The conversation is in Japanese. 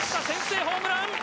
先制ホームラン。